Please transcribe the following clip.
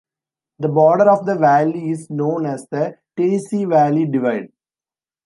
The border of the valley is known as the Tennessee Valley Divide.